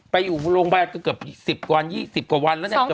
ไปอยู่โรงพยาบาลเกือบ๑๐กว่า๒๐กว่าวันแล้วเนี่ย